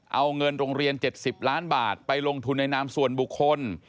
เอาเงินโรงเรียน๗๐ล้านบาทไปลงทุนในนามส่วนบุคคล